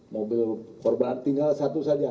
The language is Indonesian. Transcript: mobil korban tinggal satu saja